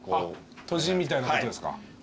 とじみたいなことですか。